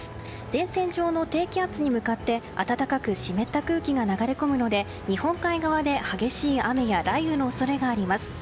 前線上の低気圧に向かって暖かく湿った空気が流れ込むので日本海側で激しい雨や雷雨の恐れがあります。